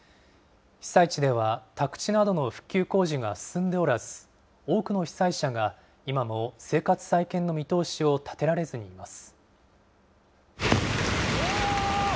被災地では宅地などの復旧工事が進んでおらず、多くの被災者が今も生活再建の見通しを立てられずにいます。